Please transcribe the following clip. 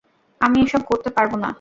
আমি এসব করতে পারবো না।